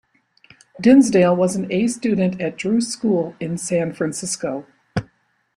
Dinsdale was an A student at Drew School in San Francisco.